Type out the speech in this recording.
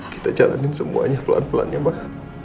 kita jalanin semuanya pelan pelannya mak